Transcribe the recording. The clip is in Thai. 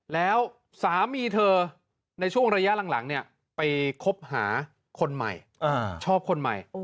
แล้วสามีเธอในช่วงระยะหลังเนี่ยไปคบหาคนใหม่ชอบคนใหม่